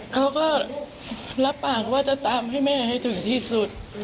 เขาก็รับปากว่าจะทำให้แม่ให้ถึงที่สุด